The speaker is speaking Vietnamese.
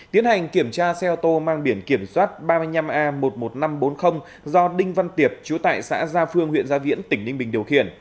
tiến hành kiểm tra xe ô tô mang biển kiểm soát ba mươi năm a một mươi một nghìn năm trăm bốn mươi do đinh văn tiệp chúa tại xã gia phương huyện gia viễn tỉnh ninh bình điều khiển